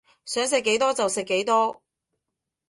想食幾多就食幾多